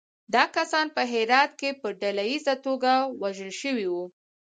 دا کسان په هرات کې په ډلییزه توګه وژل شوي وو.